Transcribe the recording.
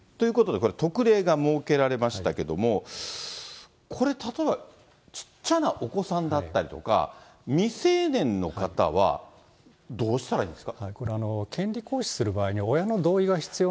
これ、特例が設けられましたけれども、これ、例えば、小っちゃなお子さんだったりとか、未成年の方はどうしたらいいんですか。